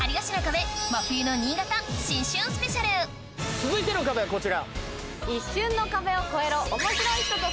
続いての壁はこちら。